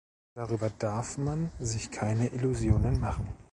Darüber darf man sich keine Illusionen machen.